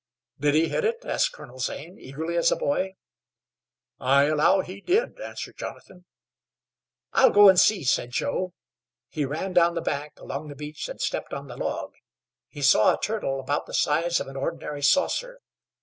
"Did he hit?" asked Colonel Zane, eagerly as a boy. "I allow he did," answered Jonathan. "I'll go and see," said Joe. He ran down the bank, along the beach, and stepped on the log. He saw a turtle about the size of an ordinary saucer.